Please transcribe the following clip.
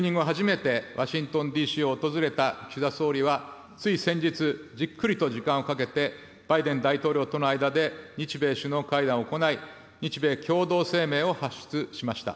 就任後、初めてワシントンＤＣを訪れた岸田総理は、つい先日、じっくりと時間をかけて、バイデン大統領との間で日米首脳会談を行い、日米共同声明を発出しました。